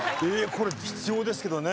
これ必要ですけどね。